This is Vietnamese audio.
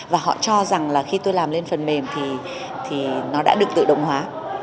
và họ cho rằng là khi tôi làm lên phần mềm thì nó đã được tự động hóa